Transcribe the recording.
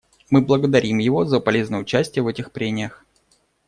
Мы благодарим его за полезное участие в этих прениях.